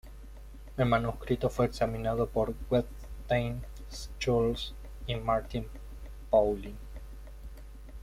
El manuscrito fue examinado por Wettstein, Scholz, y Martin Paulin.